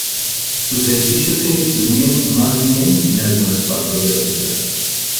Sus edificios se distribuyen más bien en algunas partes de la ciudad.